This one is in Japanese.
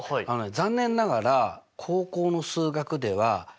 残念ながら高校の数学ではええ！？